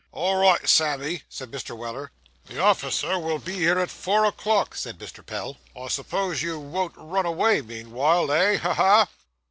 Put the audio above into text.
'All right, Sammy,' said Mr. Weller. 'The officer will be here at four o'clock,' said Mr. Pell. 'I suppose you won't run away meanwhile, eh? Ha! ha!